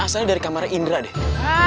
asli dari kamar indra deh ah